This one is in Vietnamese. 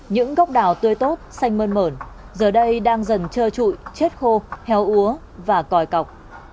những gốc đào tươi tốt xanh mơn mởn giờ đây đang dần trơ trụi chết khô héo úa và còi cọc